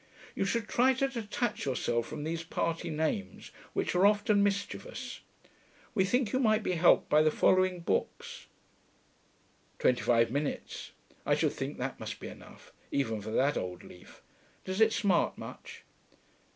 'You should try to detach yourself from these party names, which are often mischievous.... We think you might be helped by the following books.... Twenty five minutes: I should think that must be enough, even for that old leaf. Does it smart much?'